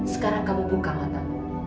sekarang kamu buka mata